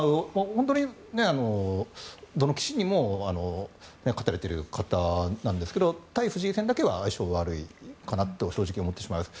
本当にどの棋士にも勝たれてる方なんですけど対藤井戦だけは相性が悪いと正直思ってしまいます。